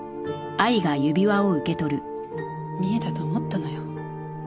見えたと思ったのよ。